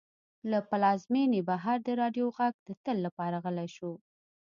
له پلازمېنې بهر د راډیو غږ د تل لپاره غلی شو.